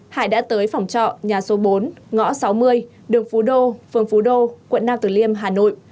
hải đã tới phòng trọ nhà số bốn ngõ sáu mươi đường phú đô phường phú đô quận nam tử liêm hà nội